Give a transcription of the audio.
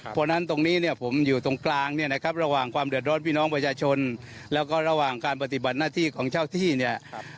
เพราะฉะนั้นตรงนี้เนี่ยผมอยู่ตรงกลางเนี่ยนะครับระหว่างความเดือดร้อนพี่น้องประชาชนแล้วก็ระหว่างการปฏิบัติหน้าที่ของเจ้าที่เนี่ย